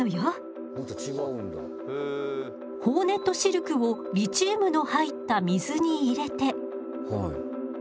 ホーネットシルクをリチウムの入った水に入れて。